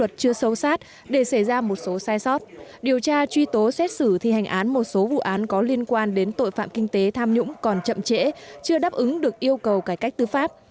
trong bản án một số vụ án có liên quan đến tội phạm kinh tế tham nhũng còn chậm trễ chưa đáp ứng được yêu cầu cải cách tư pháp